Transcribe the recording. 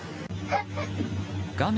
画面